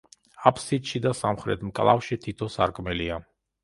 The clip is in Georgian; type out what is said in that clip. აფსიდში და სამხრეთ მკლავში თითო სარკმელია.